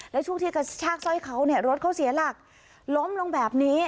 แล้วช่วงที่กระชากสร้อยเขาเนี่ยรถเขาเสียหลักล้มลงแบบนี้